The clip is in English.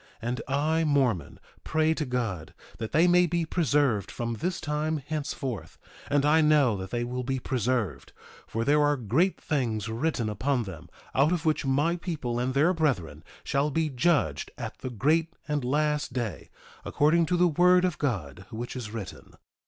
And I, Mormon, pray to God that they may be preserved from this time henceforth. And I know that they will be preserved; for there are great things written upon them, out of which my people and their brethren shall be judged at the great and last day, according to the word of God which is written.